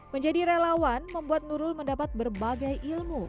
menjadi relawan membuat nurul mendapat berbagai ilmu